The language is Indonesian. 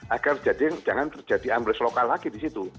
agar jangan terjadi ambles lokal lagi di situ